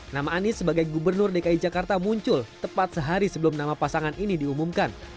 nama anies sebagai gubernur dki jakarta muncul tepat sehari sebelum nama pasangan ini diumumkan